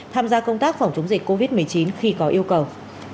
tham gia công tác phòng chống dịch covid một mươi chín khi có yêu cầu